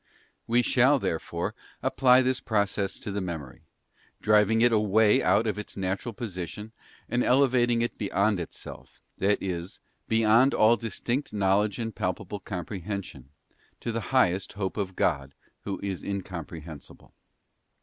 We shall, therefore, apply this process to the Memory: driving it away out of its natural position and elevating it beyond REFORMATION OF THE MEMORY. 207 itself, that is, beyond all distinct knowledge and palpable comprehension, to the highest hope of God Who is Incom ———— prehensible.